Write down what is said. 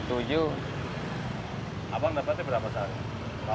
abang dapatnya berapa sehari